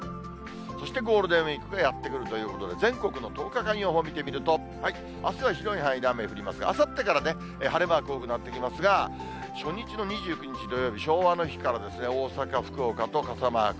そしてゴールデンウィークがやって来るということで、全国の１０日間予報を見てみると、あすは広い範囲で雨降りますが、あさってからね、晴れマーク多くなってきますが、初日の２９日土曜日、昭和の日から、大阪、福岡と傘マーク。